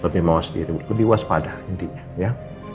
lebih mawas diri lebih waspada intinya ya